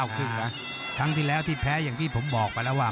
ครั้งที่แล้วที่แพ้อย่างที่ผมบอกไปแล้วว่า